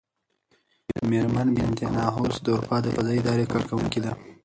مېرمن بینتهاوس د اروپا د فضايي ادارې کارکوونکې ده.